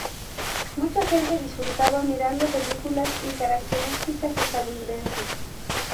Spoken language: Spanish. Mucha gente disfrutaba mirando películas y caricaturas estadounidenses.